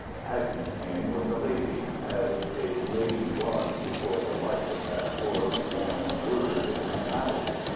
Agnes Kain was a lady, as a lady was before the light of that poor worn word went out.